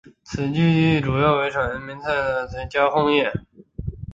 此聚居地主要的产业为木材生产业及食品加工业。